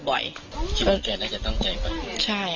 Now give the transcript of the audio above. คิดว่าแกจะตั้งใจไป